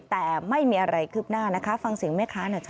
แต่ไม่มีอะไรขึ้นหน้านะคะฟังเสียงไหมคะเนี่ยค่ะ